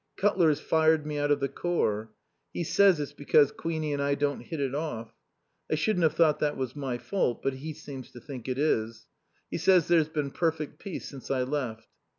Cutler's fired me out of the Corps. He says it's because Queenie and I don't hit it off. I shouldn't have thought that was my fault, but he seems to think it is. He says there's been perfect peace since I left.